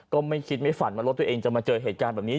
ก็ไม่คิดไม่ฝันว่ารถตัวเองจะมาเจอเหตุการณ์แบบนี้